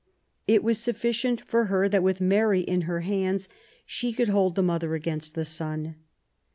It was sufficient for her that, with Mary in her hands, she could hold the « mother against the son.